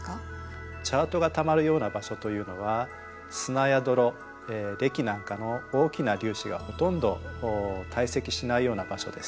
チャートがたまるような場所というのは砂や泥れきなんかの大きな粒子がほとんど堆積しないような場所です。